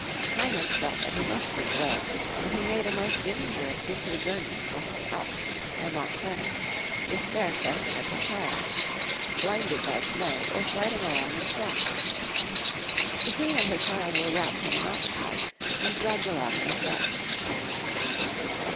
Heinrich felt that he must give way, and he made a most dangerous winter journey across the Alps by Mont Cenis, with Bertha and her child, blinded by snow or sliding along in frost. The Queen and her child were wrapped in an ox hide, and dragged along in a sledge.